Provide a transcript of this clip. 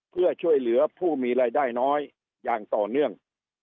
เพื่อช่วยเหลือผู้มีรายได้น้อยอย่างต่อเนื่อง